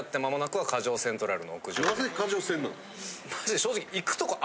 正直。